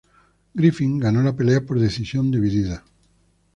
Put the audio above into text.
Griffin ganó la pelea por decisión dividida.